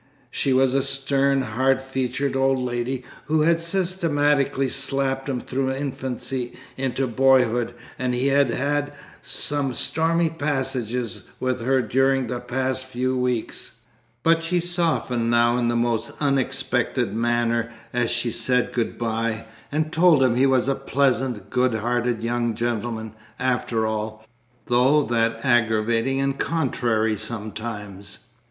She was a stern, hard featured old lady, who had systematically slapped him through infancy into boyhood, and he had had some stormy passages with her during the past few weeks; but she softened now in the most unexpected manner as she said good bye, and told him he was a "pleasant, good hearted young gentleman, after all, though that aggravating and contrairy sometimes."